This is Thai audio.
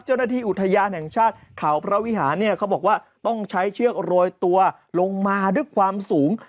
เจ้าหน้าที่อุทยานแห่งชาติเขาพระวิหารเนี่ยเขาบอกว่าต้องใช้เชือกโรยตัวลงมาด้วยความสูง